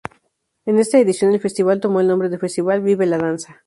En esta edición, el Festival tomó el nombre de "Festival Vive la Danza".